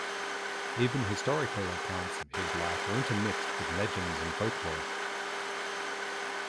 Even historical accounts of his life are intermixed with legends and folklore.